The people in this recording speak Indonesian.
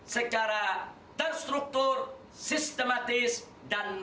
semasa menar grilled